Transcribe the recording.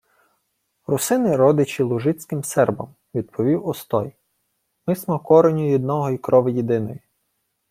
— Русини родичі лужицьким сербам, — відповів Остой. — Ми смо кореню їдного й крові єдиної.